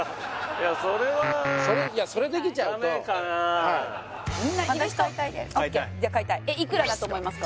それはダメかなそれできちゃうといくらだと思いますか？